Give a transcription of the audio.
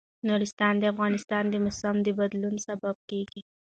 نورستان د افغانستان د موسم د بدلون سبب کېږي.